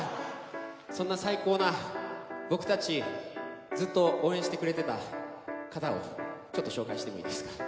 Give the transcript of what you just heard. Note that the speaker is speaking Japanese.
そんな最高な僕たち、ずっと応援してくれてた方を、ちょっと紹介してもいいですか。